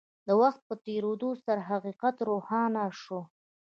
د وخت په تېرېدو سره حقيقت روښانه شو.